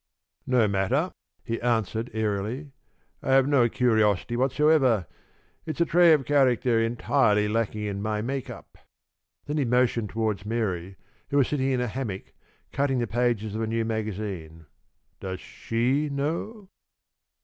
"No matter," he answered, airily. "I have no curiosity whatsoever. It's a trait of character entirely lacking in my make up." Then he motioned toward Mary, who was sitting in a hammock, cutting the pages of a new magazine. "Does she know?"